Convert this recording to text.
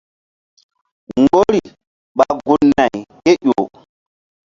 Mgbori ɓa gun- nay kéƴo.